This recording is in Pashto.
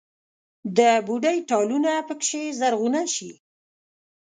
د بوډۍ ټالونه پکښې زرغونه شي